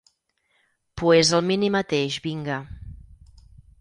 Pues el mini mateix vinga.